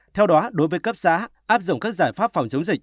theo đó đối với cấp xã áp dụng các giải pháp phòng chống dịch